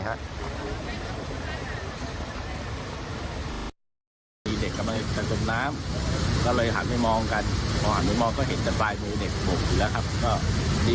แล้วมันนี่สิที่มีเด็กกำลังจะจมน้ำ